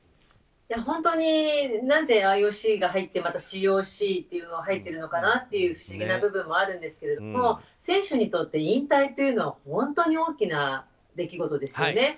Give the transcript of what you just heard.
本当に何でＩＯＣが入って、またＣＯＣというのが入ってるのかなという不思議な部分もあるんですが選手にとって引退というのは本当に大きな出来事ですよね。